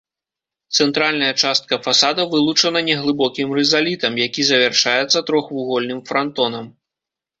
Цэнтральная частка фасада вылучана неглыбокім рызалітам, які завяршаецца трохвугольным франтонам.